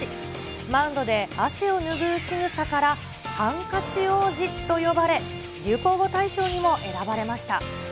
マウンドで汗を拭うしぐさからハンカチ王子と呼ばれ、流行語大賞にも選ばれました。